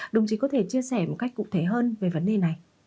đồng chí có thể chia sẻ một cách cụ thể hơn về vấn đề này